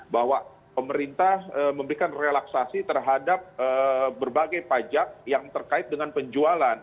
bahwa pemerintah memberikan relaksasi terhadap berbagai pajak yang terkait dengan penjualan